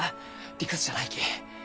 理屈じゃないき。